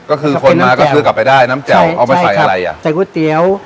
ก็คือคนมาก็คือกลับไปได้น้ำแจ่วเอามาใส่อะไรอ่ะใส่ก๋วยเตี๋ยว